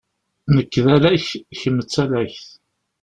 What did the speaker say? Nekk d alak, kemm d talakt.